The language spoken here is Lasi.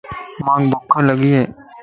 مانک ڀک لڳي ائي